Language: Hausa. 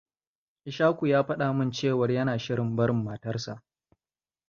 Ishaku ya faɗa min cewar yana shirin barin matar sa.